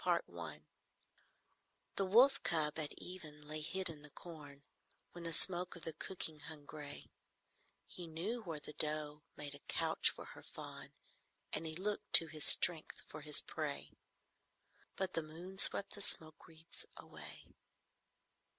CHAPTER IV The wolf cub at even lay hid in the corn, When the smoke of the cooking hung gray: He knew where the doe made a couch for her fawn, And he looked to his strength for his prey. But the moon swept the smoke wreaths away.